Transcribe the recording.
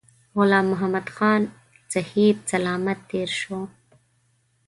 غلام محمدخان صحی سلامت تېر شو.